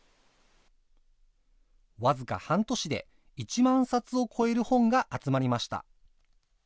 僅か半年で１万冊を超える本が集まりました。